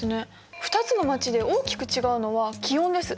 ２つの街で大きく違うのは気温です。